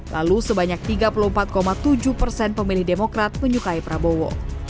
lalu sebanyak tiga puluh empat tujuh persen pemilih demokrat menyukai prabowo